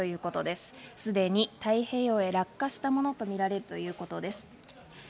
すでに太平洋へ落下したものとみられるということです。